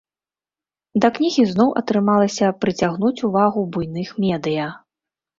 Да кнігі зноў атрымалася прыцягнуць увагу буйных медыя.